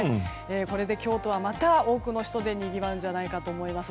これで京都は、また多くの人でにぎわうのではと思います。